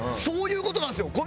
そういう事なんですよ。